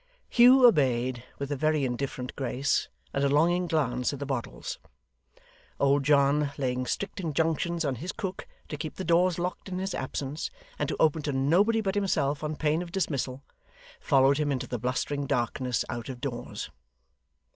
Hugh obeyed with a very indifferent grace, and a longing glance at the bottles. Old John, laying strict injunctions on his cook to keep the doors locked in his absence, and to open to nobody but himself on pain of dismissal, followed him into the blustering darkness out of doors.